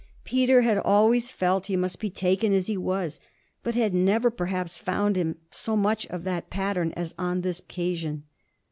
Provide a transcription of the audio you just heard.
Peter had always felt he must be taken as he was, but had never perhaps found him so much of that pattern as on this occasion.